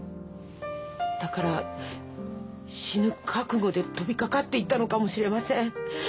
だから死ぬ覚悟で飛びかかっていったのかもしれません。